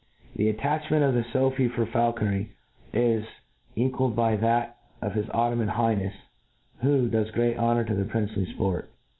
87 The attachment of the Sophi for faulconry 19 equalled by that of his Ottoman Highncfe, who does great honour to thb princely fport.